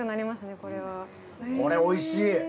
これおいしい。